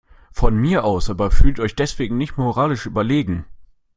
Von mir aus, aber fühlt euch deswegen nicht moralisch überlegen.